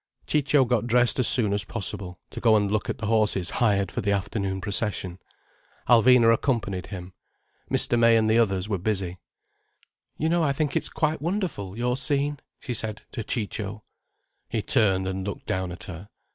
Ciccio got dressed as soon as possible, to go and look at the horses hired for the afternoon procession. Alvina accompanied him, Mr. May and the others were busy. "You know I think it's quite wonderful, your scene," she said to Ciccio. He turned and looked down at her.